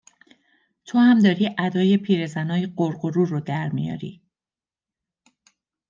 تو هم داری ادای پیرزنای غُرغُرو رو در میاری